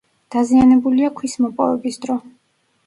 დაზიანებულია ქვის მოპოვების დროს.